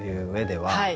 はい。